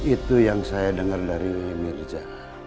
itu yang saya dengar dari merja